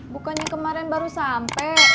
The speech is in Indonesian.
bukannya kemarin baru sampe